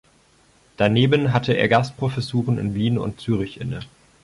Daneben hatte er Gastprofessuren in Wien und Zürich inne.